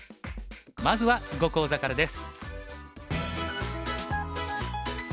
まずは囲碁講座からです。